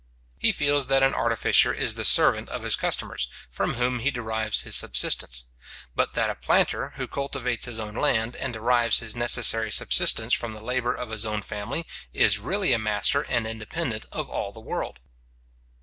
He feels that an artificer is the servant of his customers, from whom he derives his subsistence; but that a planter who cultivates his own land, and derives his necessary subsistence from the labour of his own family, is really a master, and independent of all the world.